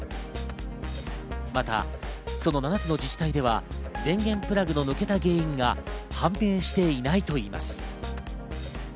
また、その７つの自治体では電源プラグの抜けた原因が判明していないと言います。